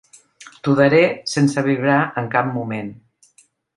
T'ho daré sense vibrar en cap moment.